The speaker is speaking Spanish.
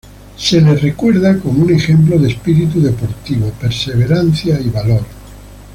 Es recordado como un ejemplo de espíritu deportivo, perseverancia y valor.